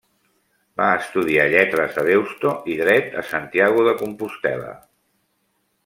Va estudiar Lletres a Deusto i Dret a Santiago de Compostel·la.